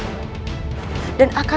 dan akan kubuktikan jika aku tidak bersalah